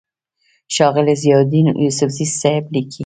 ښاغلے ضياءالدين يوسفزۍ صېب ليکي: